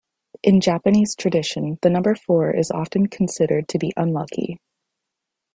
In Japanese tradition, the number four is often considered to be unlucky